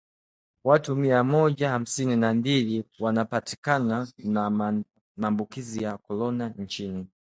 Watu mia moja hamsini na mbili wamepatikana na maambukizi ya corona nchini